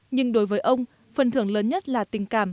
nhưng đối với ông phần thưởng lớn nhất là tình cảm